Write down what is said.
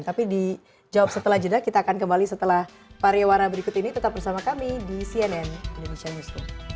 tapi dijawab setelah jeda kita akan kembali setelah pariwara berikut ini tetap bersama kami di cnn indonesia newsroom